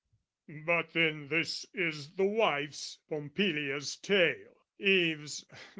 But then this is the wife's Pompilia's tale Eve's...